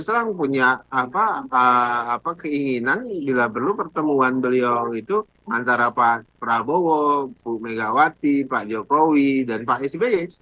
setelah punya keinginan bila perlu pertemuan beliau itu antara pak prabowo buknegawati pak jokowi dan pak sbi